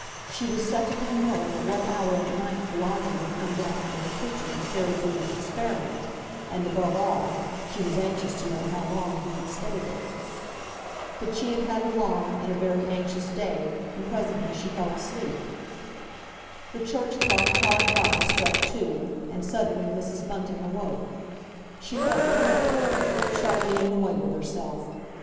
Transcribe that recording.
She was set upon knowing at what hour of the night the lodger would come down into her kitchen to carry through his experiment, and, above all, she was anxious to know how long he would stay there. But she had had a long and a very anxious day, and presently she fell asleep. The church clock hard by struck two, and, suddenly Mrs. Bunting awoke. She felt put out, sharply annoyed with herself.